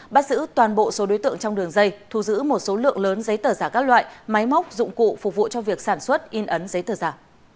bắt giữ toàn bộ số đối tượng trong đường dây thu giữ một số lượng lớn giấy tờ giả các loại máy móc dụng cụ phục vụ cho việc sản xuất in ấn giấy tờ giả